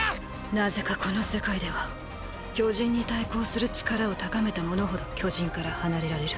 なぜかこの世界では巨人に対抗する力を高めた者ほど巨人から離れられる。